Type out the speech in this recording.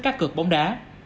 cá cửa bóng đá